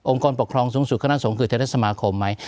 กรปกครองสูงสุดคณะสงฆ์คือเทศสมาคมไหม